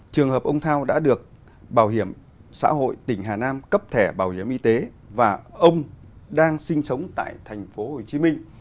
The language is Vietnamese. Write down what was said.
trường hợp ông thao đã được bảo hiểm xã hội tỉnh hà nam cấp thẻ bảo hiểm y tế và ông đang sinh sống tại thành phố hồ chí minh